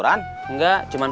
pake perhatian du tylenol